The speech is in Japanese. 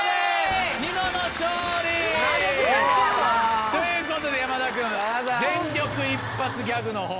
イエイ！ということで山田君全力一発ギャグのほうを。